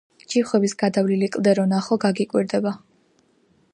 ჯიხვების გადავლილი კლდე რო ნახო გაგიკვირდება